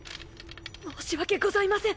申し訳ございません！